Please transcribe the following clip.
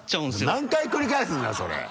何回繰り返すんだよそれ。